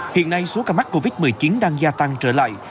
hiện nay số ca mắc covid một mươi chín đang gia tăng trở lại